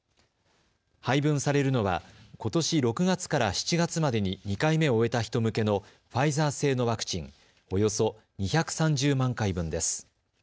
配分されるのは、ことし６月から７月までに２回目を終えた人向けのファイザー製のワクチンおよそ２３０万回分です。